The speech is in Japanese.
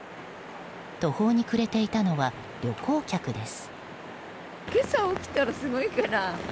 途方に暮れていたのは旅行客です。